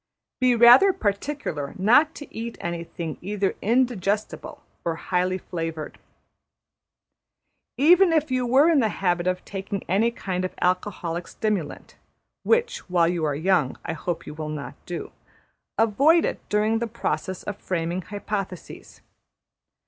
Be rather particular not to eat anything either indigestible or highly flavoured. Even if you were in the habit of taking any kind of alcoholic stimulant (which, while you are young, I hope you will not do), avoid it during the process of framing hypotheses.